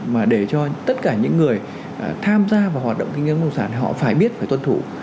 mà để cho tất cả những người tham gia vào hoạt động kinh doanh bất nông sản họ phải biết phải tuân thủ